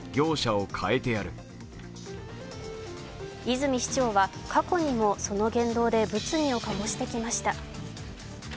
泉市長は過去にも、その言動で物議を醸してきました。